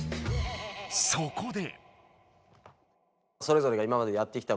そこで。